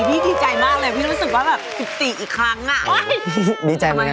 พอดีพี่ดีใจมากเลย